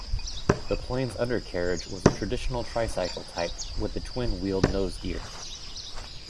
The plane's undercarriage was a traditional tricycle type with a twin-wheeled nose gear.